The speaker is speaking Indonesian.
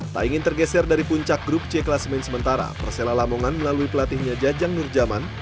taingin tergeser dari puncak grup c klasmen sementara persela lamongan melalui pelatihnya jajang nurjaman